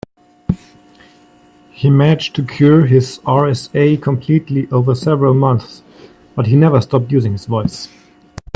He managed to cure his RSI completely over several months, but he never stopped using his voice.